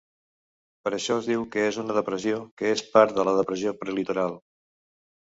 Per això es diu que és una depressió que és part de la Depressió Prelitoral.